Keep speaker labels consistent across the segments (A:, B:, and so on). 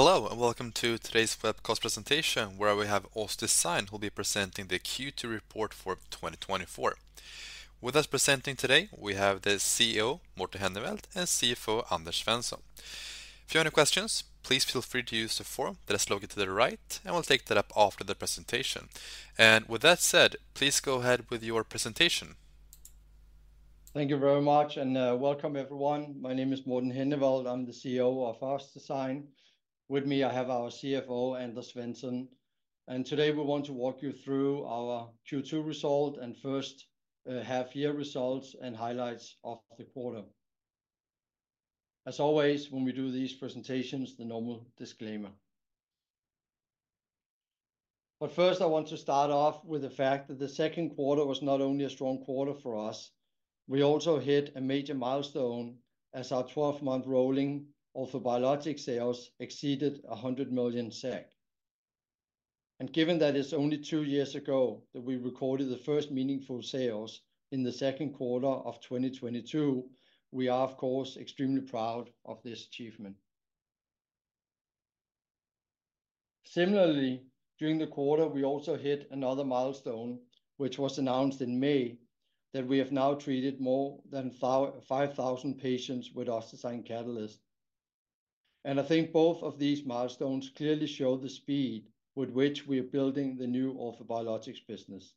A: Hello, and welcome to today's webcast presentation, where we have OssDsign, who'll be presenting the Q2 report for 2024. With us presenting today, we have the CEO, Morten Henneveld, and CFO, Anders Svensson. If you have any questions, please feel free to use the form that is located to the right, and we'll take that up after the presentation. And with that said, please go ahead with your presentation.
B: Thank you very much, and welcome, everyone. My name is Morten Henneveld. I'm the CEO of OssDsign. With me, I have our CFO, Anders Svensson, and today we want to walk you through our Q2 result and first half-year results and highlights of the quarter. As always, when we do these presentations, the normal disclaimer. But first, I want to start off with the fact that the second quarter was not only a strong quarter for us, we also hit a major milestone as our twelve-month rolling orthobiologics sales exceeded 100 million SEK.
C: Given that it's only two years ago that we recorded the first meaningful sales in the second quarter of twenty twenty-two, we are of course extremely proud of this achievement. Similarly, during the quarter, we also hit another milestone, which was announced in May, that we have now treated more than five thousand patients with OssDsign Catalyst. And I think both of these milestones clearly show the speed with which we are building the new orthobiologics business.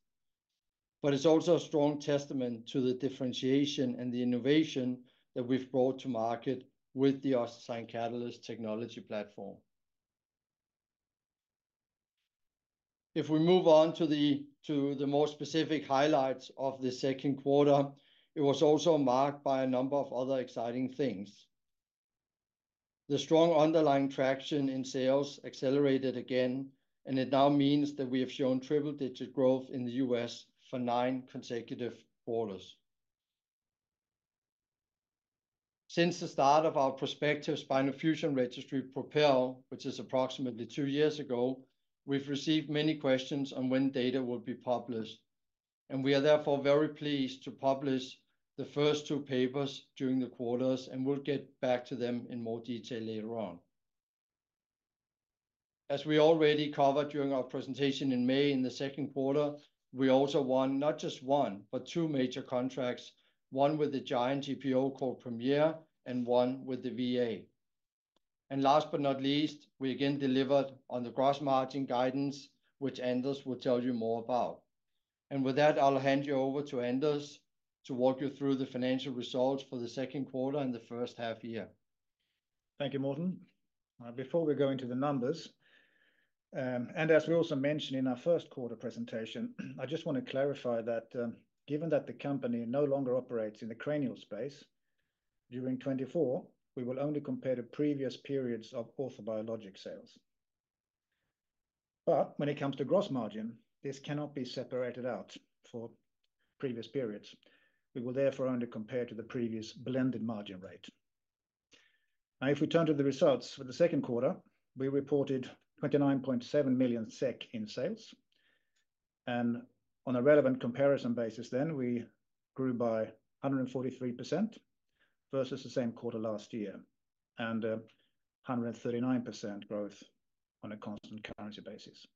C: It's also a strong testament to the differentiation and the innovation that we've brought to market with the OssDsign Catalyst technology platform. If we move on to the more specific highlights of the second quarter, it was also marked by a number of other exciting things. The strong underlying traction in sales accelerated again, and it now means that we have shown triple digit growth in the US for nine consecutive quarters. Since the start of our prospective spinal fusion registry, PROPEL, which is approximately two years ago, we've received many questions on when data will be published, and we are therefore very pleased to publish the first two papers during the quarters, and we'll get back to them in more detail later on. As we already covered during our presentation in May, in the second quarter, we also won not just one, but two major contracts, one with the giant GPO called Premier, and one with the VA. Last but not least, we again delivered on the gross margin guidance, which Anders will tell you more about. With that, I'll hand you over to Anders to walk you through the financial results for the second quarter and the first half year. Thank you, Morten. Before we go into the numbers, and as we also mentioned in our first quarter presentation, I just want to clarify that, given that the company no longer operates in the cranial space, during twenty-four, we will only compare the previous periods of orthobiologic sales. But when it comes to gross margin, this cannot be separated out for previous periods. We will therefore only compare to the previous blended margin rate. Now, if we turn to the results for the second quarter, we reported 29.7 million SEK in sales, and on a relevant comparison basis then, we grew by 143% versus the same quarter last year, and, 139% growth on a constant currency basis.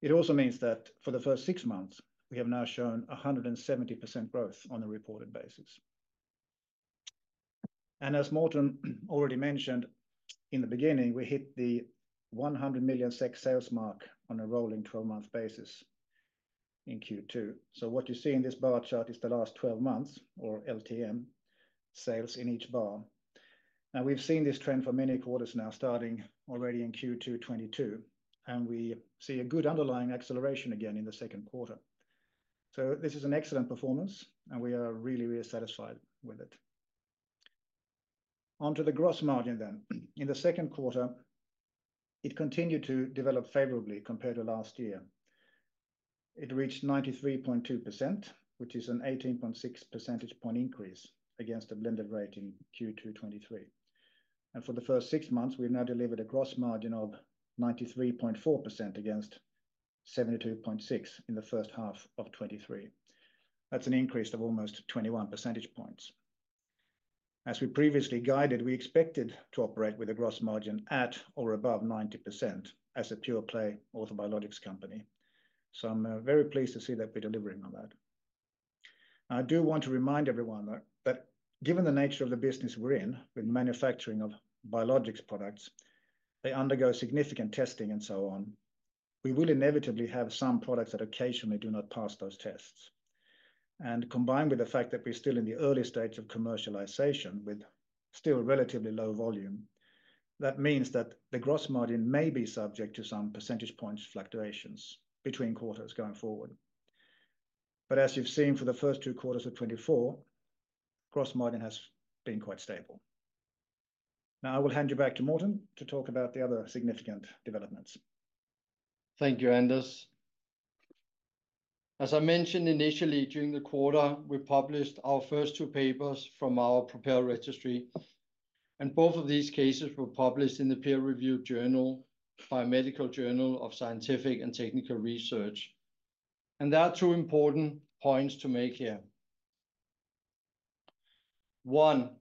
C: It also means that for the first six months, we have now shown 170% growth on a reported basis, and as Morten already mentioned, in the beginning, we hit the 100 million SEK sales mark on a rolling twelve-month basis in Q2 2022, so what you see in this bar chart is the last twelve months, or LTM, sales in each bar. Now, we've seen this trend for many quarters now, starting already in Q2 2022, and we see a good underlying acceleration again in the second quarter, so this is an excellent performance, and we are really, really satisfied with it. Onto the gross margin then. In the second quarter, it continued to develop favorably compared to last year. It reached 93.2%, which is an 18.6 percentage point increase against a blended rate in Q2 2023. For the first six months, we've now delivered a gross margin of 93.4% against 72.6% in the first half of 2023. That's an increase of almost 21 percentage points. As we previously guided, we expected to operate with a gross margin at or above 90% as a pure play orthobiologics company. So I'm very pleased to see that we're delivering on that. I do want to remind everyone that given the nature of the business we're in, with manufacturing of biologics products, they undergo significant testing and so on. We will inevitably have some products that occasionally do not pass those tests. Combined with the fact that we're still in the early stages of commercialization, with still relatively low volume, that means that the gross margin may be subject to some percentage points fluctuations between quarters going forward. But as you've seen for the first two quarters of 2024, gross margin has been quite stable. Now, I will hand you back to Morten to talk about the other significant developments.
B: Thank you, Anders. As I mentioned initially during the quarter, we published our first two papers from our PROPEL registry, and both of these cases were published in the peer review journal, Biomedical Journal of Scientific & Technical Research, and there are two important points to make here. One,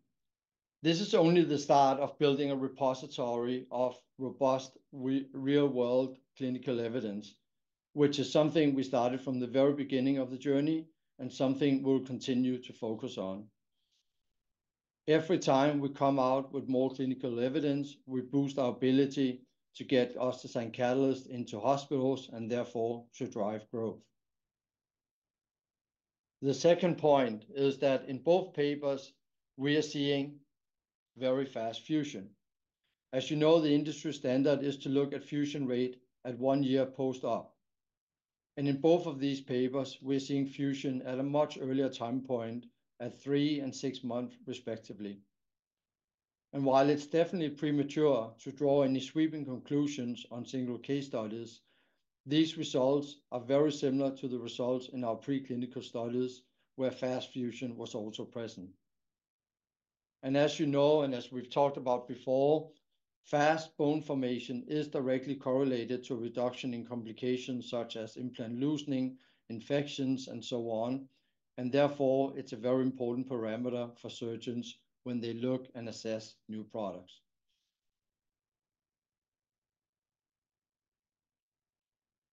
B: this is only the start of building a repository of robust real-world clinical evidence, which is something we started from the very beginning of the journey and something we'll continue to focus on.
C: Every time we come out with more clinical evidence, we boost our ability to get OssDsign Catalyst into hospitals, and therefore, to drive growth. The second point is that in both papers, we are seeing very fast fusion. As you know, the industry standard is to look at fusion rate at one year post-op, and in both of these papers, we're seeing fusion at a much earlier time point, at three and six months respectively. While it's definitely premature to draw any sweeping conclusions on single case studies, these results are very similar to the results in our preclinical studies, where fast fusion was also present. As you know, and as we've talked about before, fast bone formation is directly correlated to a reduction in complications such as implant loosening, infections, and so on. Therefore, it's a very important parameter for surgeons when they look and assess new products.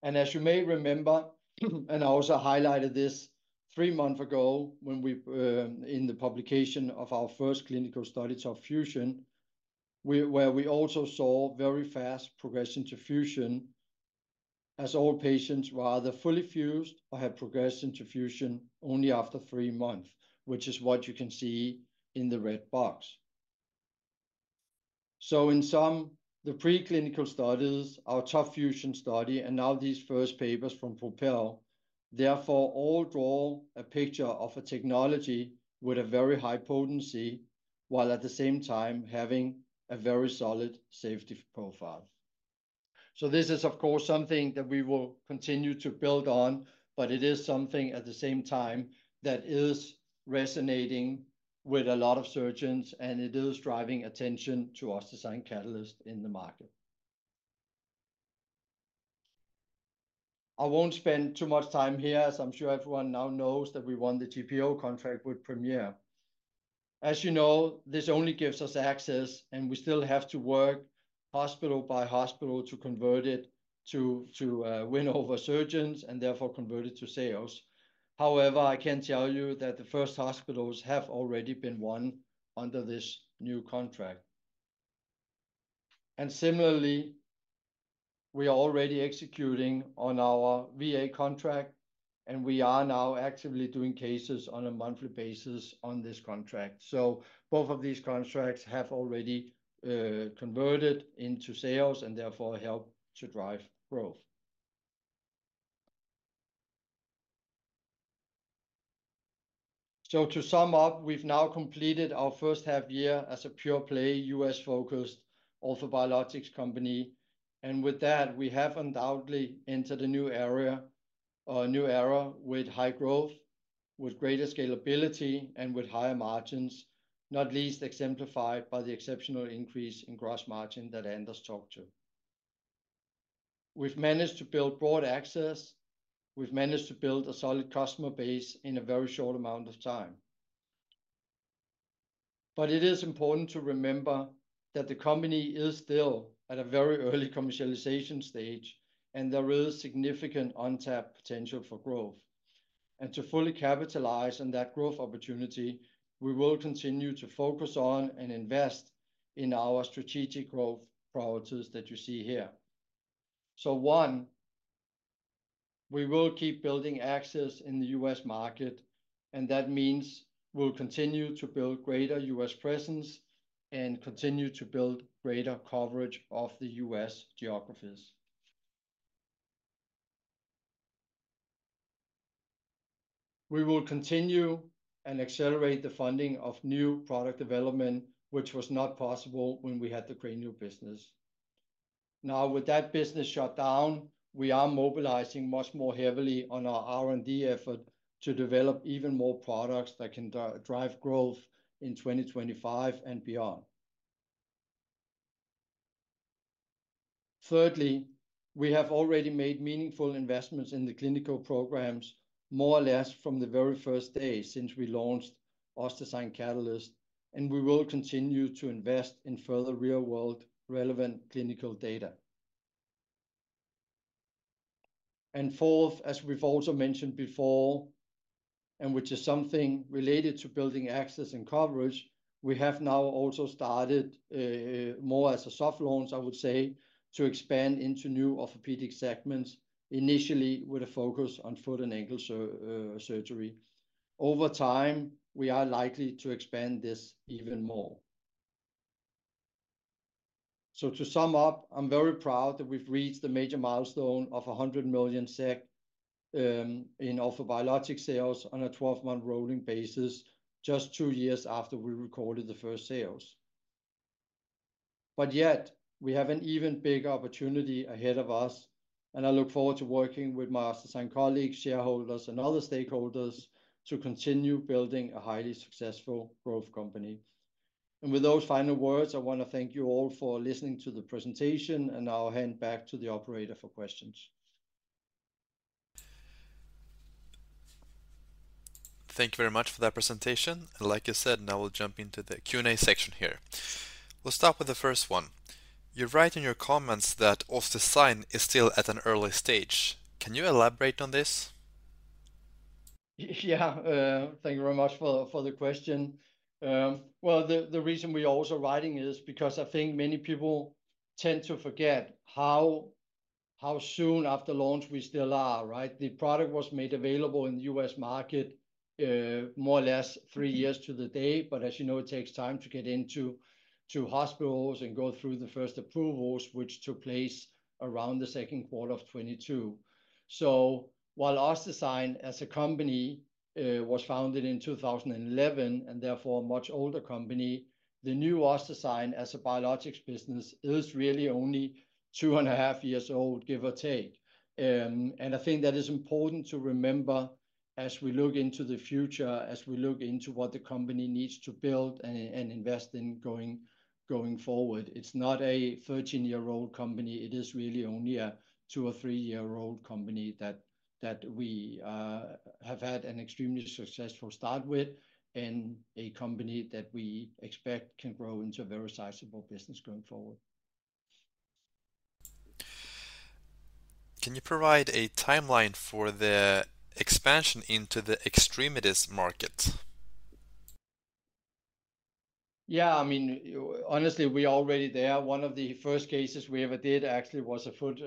C: As you may remember, and I also highlighted this three months ago, when we in the publication of our first clinical study, TOP FUSION, where we also saw very fast progression to fusion, as all patients were either fully fused or had progressed into fusion only after three months, which is what you can see in the red box. So in sum, the preclinical studies, our TOP FUSION study, and now these first papers from PROPEL, therefore all draw a picture of a technology with a very high potency, while at the same time having a very solid safety profile. So this is, of course, something that we will continue to build on, but it is something at the same time that is resonating with a lot of surgeons, and it is driving attention to OssDsign Catalyst in the market. I won't spend too much time here, as I'm sure everyone now knows, that we won the GPO contract with Premier. As you know, this only gives us access, and we still have to work hospital by hospital to convert it to win over surgeons and therefore convert it to sales. However, I can tell you that the first hospitals have already been won under this new contract. And similarly, we are already executing on our VA contract, and we are now actively doing cases on a monthly basis on this contract. So both of these contracts have already converted into sales, and therefore help to drive growth. So to sum up, we've now completed our first half year as a pure-play, U.S.-focused orthobiologics company, and with that, we have undoubtedly entered a new area, or a new era, with high growth, with greater scalability, and with higher margins, not least exemplified by the exceptional increase in gross margin that Anders talked to. We've managed to build broad access. We've managed to build a solid customer base in a very short amount of time. It is important to remember that the company is still at a very early commercialization stage, and there is significant untapped potential for growth. To fully capitalize on that growth opportunity, we will continue to focus on and invest in our strategic growth priorities that you see here. One, we will keep building access in the U.S. market, and that means we'll continue to build greater U.S. presence and continue to build greater coverage of the U.S. geographies. We will continue and accelerate the funding of new product development, which was not possible when we had the cranial business. Now, with that business shut down, we are mobilizing much more heavily on our R&D effort to develop even more products that can drive growth in 2025 and beyond. Thirdly, we have already made meaningful investments in the clinical programs, more or less from the very first day since we launched OssDsign Catalyst, and we will continue to invest in further real-world relevant clinical data. And fourth, as we've also mentioned before, and which is something related to building access and coverage, we have now also started more as a soft launch, I would say, to expand into new orthopedic segments, initially with a focus on foot and ankle surgery. Over time, we are likely to expand this even more. So to sum up, I'm very proud that we've reached the major milestone of 100 million SEK in orthobiologics sales on a twelve-month rolling basis, just two years after we recorded the first sales. But yet, we have an even bigger opportunity ahead of us, and I look forward to working with my OssDsign colleagues, shareholders, and other stakeholders to continue building a highly successful growth company. With those final words, I want to thank you all for listening to the presentation, and I'll hand back to the operator for questions.
A: Thank you very much for that presentation, and like you said, now we'll jump into the Q&A section here. We'll start with the first one. You write in your comments that OssDsign is still at an early stage. Can you elaborate on this?
B: Yeah, thank you very much for the question. Well, the reason we are also writing is because I think many people tend to forget how soon after launch we still are, right? The product was made available in the U.S. market, more or less three years to the day, but as you know, it takes time to get into hospitals and go through the first approvals, which took place around the second quarter of 2022. So while OssDsign as a company was founded in 2011, and therefore a much older company, the new OssDsign as a biologics business is really only two and a half years old, give or take.
C: I think that is important to remember as we look into the future, as we look into what the company needs to build and invest in going forward. It's not a thirteen-year-old company. It is really only a two- or three-year-old company that we have had an extremely successful start with and a company that we expect can grow into a very sizable business going forward.
A: Can you provide a timeline for the expansion into the extremities market?
B: Yeah, I mean, honestly, we're already there. One of the first cases we ever did actually was a foot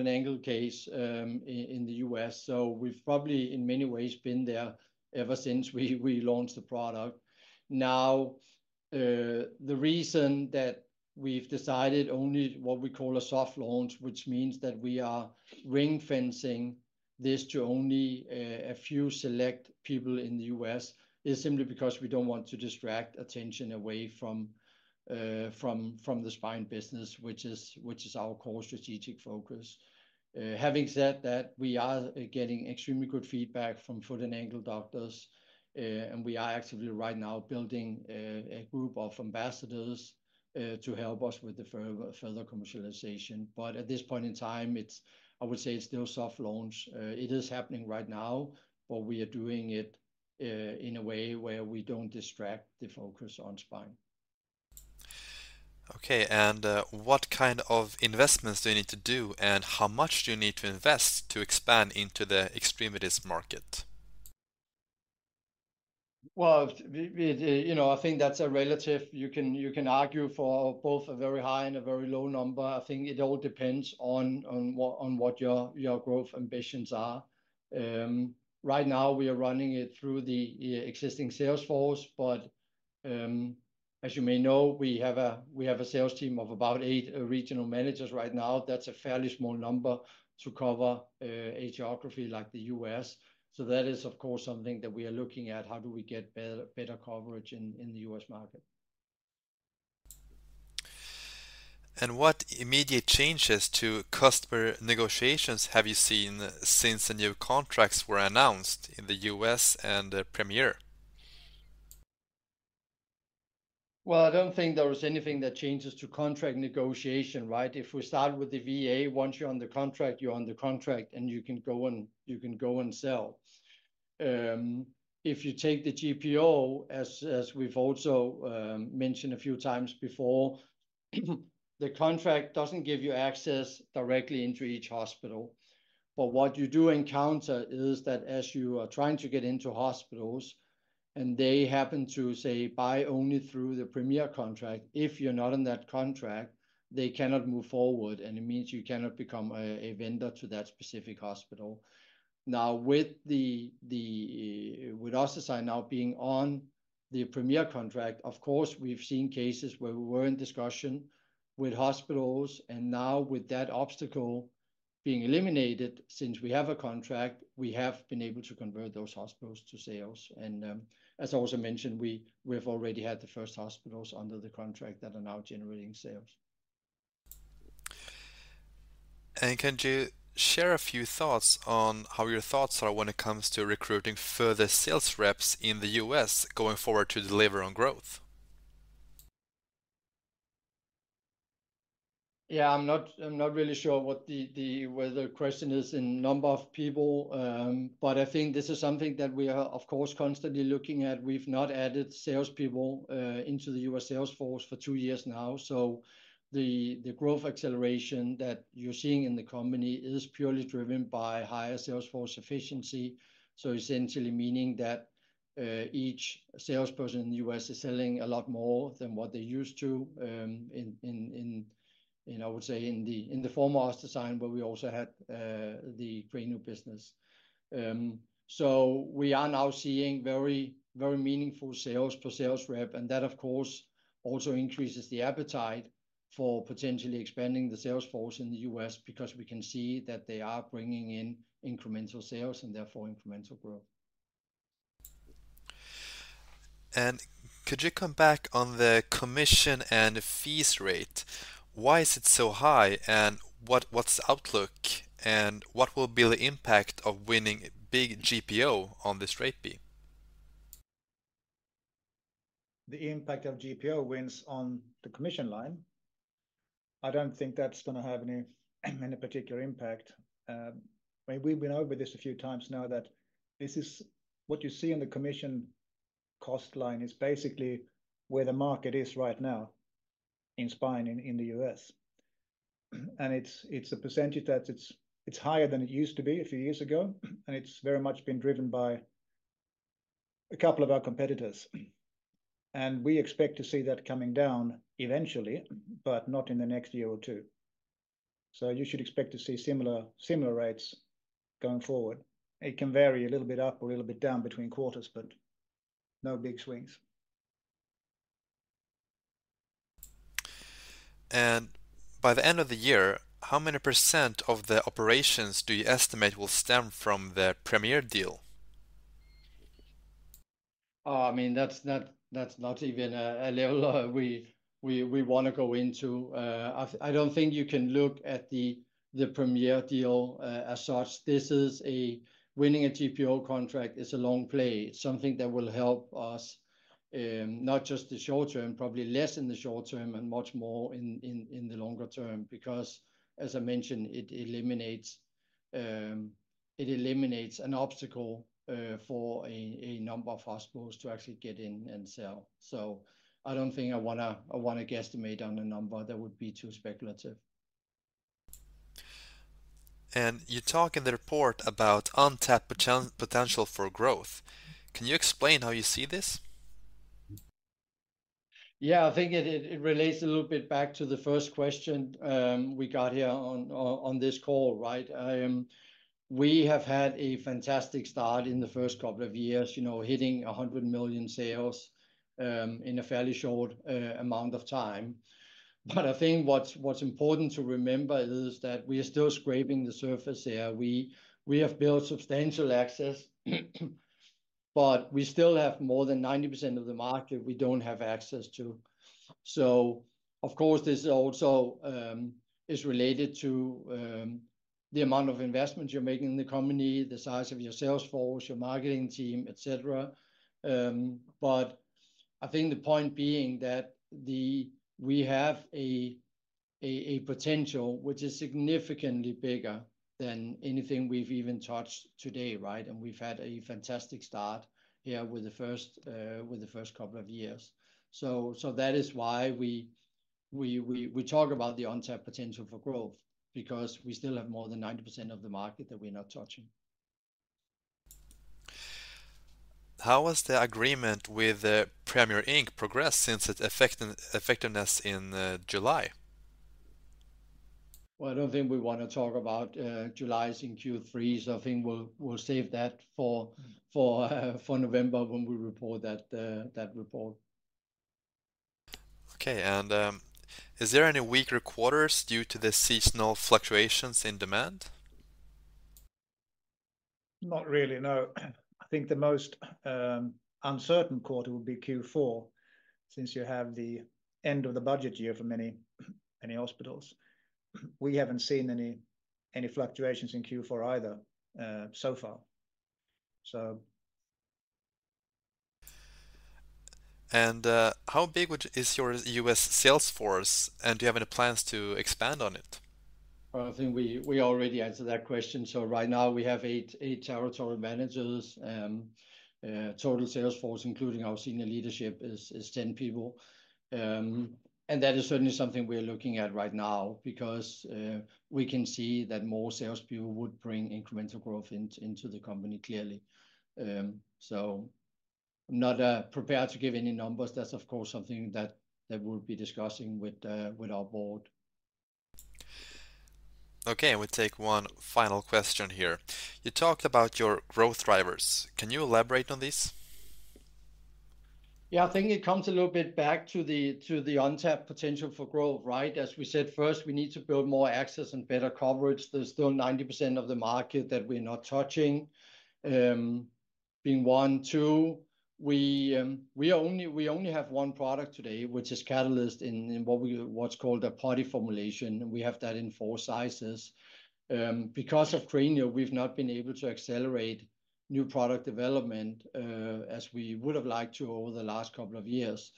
B: and ankle case in the U.S. So we've probably in many ways been there ever since we launched the product. Now, the reason that we've decided only what we call a soft launch, which means that we are ring-fencing this to only a few select people in the U.S., is simply because we don't want to distract attention away from the spine business, which is our core strategic focus. Having said that, we are getting extremely good feedback from foot and ankle doctors, and we are actively right now building a group of ambassadors to help us with the further commercialization. But at this point in time, it's, I would say it's still soft launch. It is happening right now, but we are doing it in a way where we don't distract the focus on spine.
A: Okay, and what kind of investments do you need to do, and how much do you need to invest to expand into the extremities market?
B: You know, I think that's relative. You can argue for both a very high and a very low number. I think it all depends on what your growth ambitions are. Right now we are running it through the existing sales force, but as you may know, we have a sales team of about eight regional managers right now. That's a fairly small number to cover a geography like the U.S. So that is, of course, something that we are looking at: how do we get better coverage in the U.S. market?
A: What immediate changes to customer negotiations have you seen since the new contracts were announced in the U.S. and Premier?
B: I don't think there is anything that changes to contract negotiation, right? If we start with the VA, once you're under contract, you're under contract, and you can go and sell. If you take the GPO, as we've also mentioned a few times before, the contract doesn't give you access directly into each hospital, but what you do encounter is that as you are trying to get into hospitals, and they happen to, say, buy only through the Premier contract, if you're not on that contract, they cannot move forward, and it means you cannot become a vendor to that specific hospital.
C: Now, with OssDsign now being on the Premier contract, of course, we've seen cases where we were in discussion with hospitals, and now with that obstacle being eliminated, since we have a contract, we have been able to convert those hospitals to sales. As I also mentioned, we've already had the first hospitals under the contract that are now generating sales.
A: Can you share a few thoughts on how your thoughts are when it comes to recruiting further sales reps in the U.S. going forward to deliver on growth?
B: Yeah, I'm not really sure what the whether the question is in number of people, but I think this is something that we are, of course, constantly looking at. We've not added salespeople into the US sales force for two years now, so the growth acceleration that you're seeing in the company is purely driven by higher sales force efficiency. So essentially meaning that each salesperson in the US is selling a lot more than what they used to, you know, I would say in the former OssDsign, but we also had the brand-new business.
C: We are now seeing very, very meaningful sales per sales rep, and that of course also increases the appetite for potentially expanding the sales force in the U.S. because we can see that they are bringing in incremental sales and therefore incremental growth.
A: Could you come back on the commission and fees rate? Why is it so high, and what's the outlook, and what will be the impact of winning big GPO on this rate be?
C: The impact of GPO wins on the commission line. I don't think that's gonna have any particular impact. I mean, we've been over this a few times now, that this is what you see on the commission cost line is basically where the market is right now in spine in the U.S., and it's a percentage that's higher than it used to be a few years ago, and it's very much been driven by a couple of our competitors. We expect to see that coming down eventually, but not in the next year or two. So you should expect to see similar rates going forward. It can vary a little bit up or a little bit down between quarters, but no big swings.
A: By the end of the year, how many % of the operations do you estimate will stem from the Premier deal?
B: I mean, that's not even a level we wanna go into. I don't think you can look at the Premier deal as such. This is a winning a GPO contract is a long play. It's something that will help us, not just the short term, probably less in the short term, and much more in the longer term. Because as I mentioned, it eliminates an obstacle for a number of hospitals to actually get in and sell. So I don't think I wanna guesstimate on a number that would be too speculative.
A: You talk in the report about untapped potential for growth. Can you explain how you see this?
B: Yeah, I think it relates a little bit back to the first question we got here on this call, right? We have had a fantastic start in the first couple of years, you know, hitting 100 million sales in a fairly short amount of time. But I think what's important to remember is that we are still scraping the surface here. We have built substantial access, but we still have more than 90% of the market we don't have access to. So of course, this also is related to the amount of investment you're making in the company, the size of your sales force, your marketing team, et cetera.
C: I think the point being that we have a potential which is significantly bigger than anything we've even touched today, right? We've had a fantastic start here with the first couple of years. That is why we talk about the untapped potential for growth, because we still have more than 90% of the market that we're not touching.
A: How has the agreement with Premier, Inc. progressed since its effectiveness in July?
C: I don't think we want to talk about July's in Q3, so I think we'll save that for November when we report that report.
A: Okay, and, is there any weaker quarters due to the seasonal fluctuations in demand?
C: Not really, no. I think the most uncertain quarter would be Q4, since you have the end of the budget year for many, many hospitals. We haven't seen any fluctuations in Q4 either, so far, so...
A: How big is your U.S. sales force, and do you have any plans to expand on it?
B: I think we already answered that question. Right now we have eight territory managers. Total sales force, including our senior leadership, is 10 people and that is certainly something we are looking at right now because we can see that more sales people would bring incremental growth into the company, clearly. I'm not prepared to give any numbers. That's, of course, something that we'll be discussing with our board.
A: Okay, and we'll take one final question here. You talked about your growth drivers. Can you elaborate on this?
B: Yeah, I think it comes a little bit back to the untapped potential for growth, right? As we said, first, we need to build more access and better coverage. There's still 90% of the market that we're not touching, being one. Two, we only have one product today, which is Catalyst, in what we... What's called a putty formulation, and we have that in four sizes. Because of Cranio, we've not been able to accelerate new product development, as we would've liked to over the last couple of years.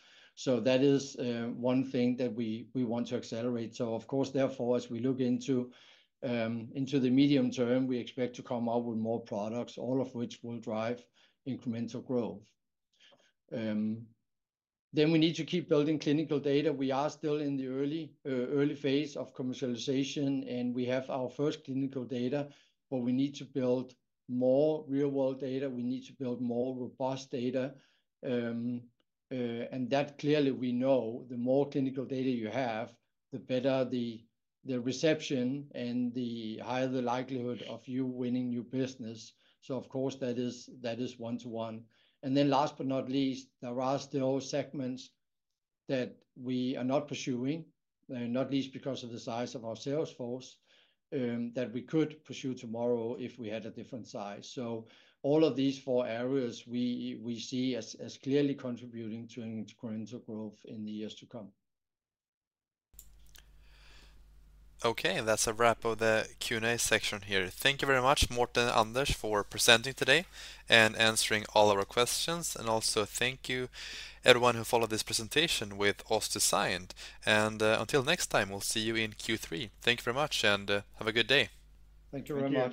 B: That is one thing that we want to accelerate.
C: Of course, therefore, as we look into the medium term, we expect to come out with more products, all of which will drive incremental growth. Then we need to keep building clinical data. We are still in the early phase of commercialization, and we have our first clinical data, but we need to build more real-world data. We need to build more robust data, and that clearly, we know, the more clinical data you have, the better the reception and the higher the likelihood of you winning new business. So of course, that is one-to-one. Last but not least, there are still segments that we are not pursuing, not least because of the size of our sales force, that we could pursue tomorrow if we had a different size, so all of these four areas we see as clearly contributing to incremental growth in the years to come.
A: Okay, and that's a wrap of the Q&A section here. Thank you very much, Morten and Anders, for presenting today and answering all our questions, and also thank you everyone for this presentation with OssDsign. Until next time, we'll see you in Q3. Thank you very much, and have a good day.
B: Thank you very much.